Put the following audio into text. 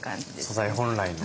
素材本来の。